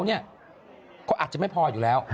ก็อาจจะไม่พออยู่แล้ว